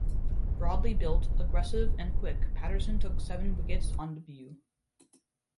Broadly built, aggressive and quick, Patterson took seven wickets on debut.